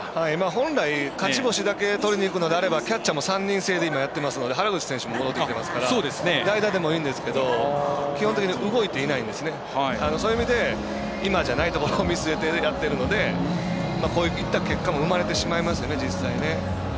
本来、勝ち星だけとっていくのであれば今、キャッチャー３人制でやってますので原口選手戻ってきてますから代打でもいいですが３人でやってますのでそういう意味で今じゃないところを見据えてやっているのでこういった結果も生まれてしまいますよね、実際。